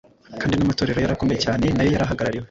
kandi n’amatorero yari akomeye cyane nayo yari ahagarariwe.